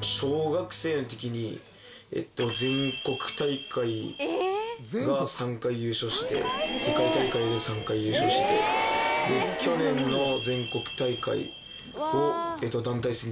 小学生の時に全国大会が３回優勝して世界大会で３回優勝して去年の全国大会を団体戦で２つ優勝してます。